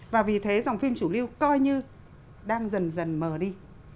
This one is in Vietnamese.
và vì thế dòng phim chủ lưu coi như đang dần dần mờ đi